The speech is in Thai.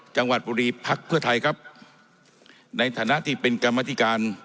จังหวัดบุรีพักเพื่อไทยครับในฐานะที่เป็นกรรมธิการ